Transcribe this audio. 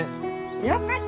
よかった！